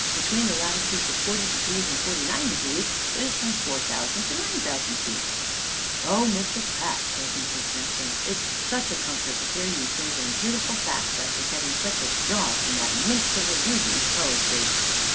Between the latitudes of forty degrees and forty nine degrees it is from four thousand to nine thousand feet." "Oh, Mr. Pratt," says Mrs. Sampson, "it's such a comfort to hear you say them beautiful facts after getting such a jar from that minx of a Ruby's poetry!"